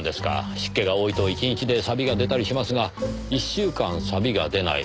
湿気が多いと１日でサビが出たりしますが１週間サビが出ない。